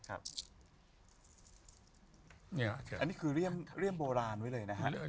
อันนี้คือเรียมโบราณไว้เลยนะครับ